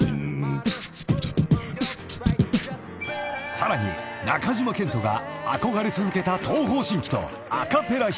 ［さらに中島健人が憧れ続けた東方神起とアカペラ披露］